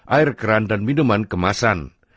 air keran dan minuman kemasan